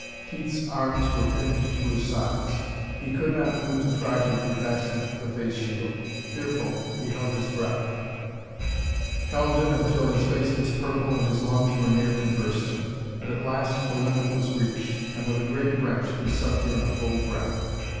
Keith's arms were pinned to his sides; he could not move to try to refasten the face shield. Fearful, he held his breath; held it until his face was purple and his lungs were near to bursting. But at last the limit was reached, and with a great wrench he sucked in a full breath.